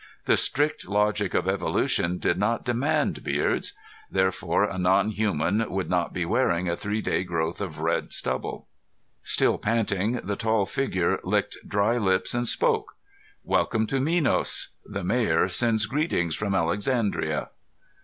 The strict logic of evolution did not demand beards; therefore a non human would not be wearing a three day growth of red stubble. Still panting, the tall figure licked dry lips and spoke. "Welcome to Minos. The Mayor sends greetings from Alexandria."